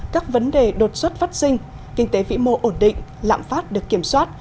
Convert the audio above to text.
các vấn đề đột xuất phát sinh kinh tế vĩ mô ổn định lạm phát được kiểm soát